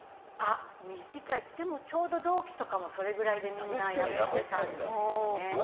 でもちょうど同期とかもそれくらいでみんな辞めてたんですよね。